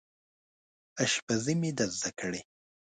اشپزي مې ده زده کړې